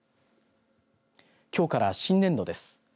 きょうから新年度です。